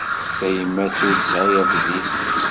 Tayemmat ur tesɛi abdil